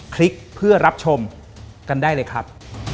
คลิกเพื่อรับชมกันได้เลยครับ